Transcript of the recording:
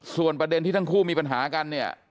ส่วนประเด็นที่ทั้งคู่มีปัญหากันเนี่ย